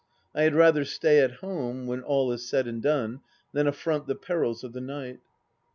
I had rather stay at home, when all is said and done, than affront the perils of the night.